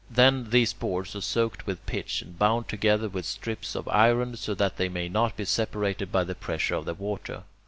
Then these boards are soaked with pitch, and bound together with strips of iron, so that they may not be separated by the pressure of the water.